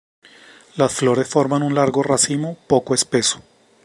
Las flores, forman un largo racimo, poco espeso.